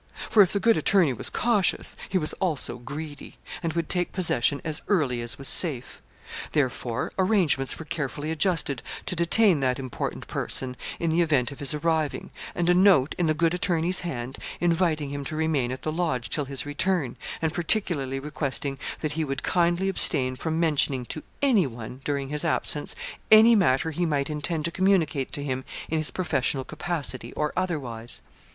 For if the good attorney was cautious, he was also greedy, and would take possession as early as was safe. Therefore arrangements were carefully adjusted to detain that important person, in the event of his arriving; and a note, in the good attorney's hand, inviting him to remain at the Lodge till his return, and particularly requesting that 'he would kindly abstain from mentioning to anyone, during his absence, any matter he might intend to communicate to him in his professional capacity or otherwise.'